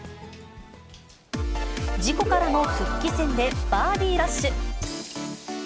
事故からの復帰戦でバーディーラッシュ。